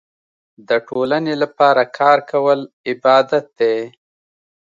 د ټولنې لپاره کار کول عبادت دی.